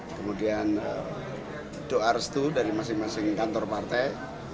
kemudian doa restu dari masing masing kantor partai